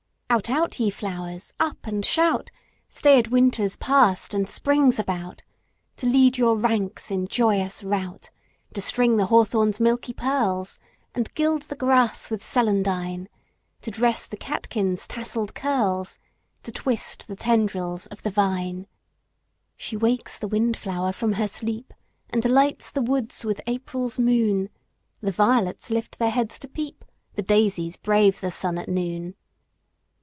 Out, out, ye flowers! Up and shout! Staid Winter's passed and Spring's about To lead your ranks in joyous rout; To string the hawthorn's milky pearls, And gild the grass with celandine; To dress the catkins' tasselled curls, To twist the tendrils of the vine. She wakes the wind flower from her sleep, And lights the woods with April's moon; The violets lift their heads to peep, The daisies brave the sun at noon.